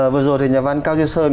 vừa rồi thì nhà văn cao duyên sơn